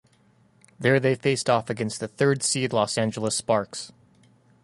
There they faced off against the third seed Los Angeles Sparks.